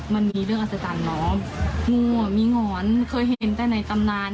มันมีเรื่องอัศจรรย์เนาะงูอ่ะมีหงอนเคยเห็นแต่ในตำนาน